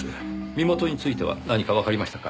身元については何かわかりましたか？